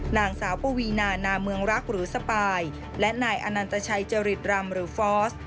นางสาวปวีนานาเมืองรักหรือสปายและนายอนันตชัยจริตรำหรือฟอส